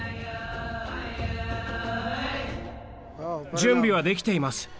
準備はできています。